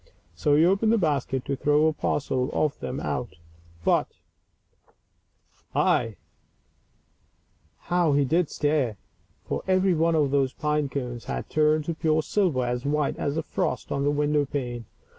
So he opened the basket to throw a parcel of them out. But — Hi ! how he did stare ! for every one of those pine cones had turned to pure silver as white as the frost on the window pane.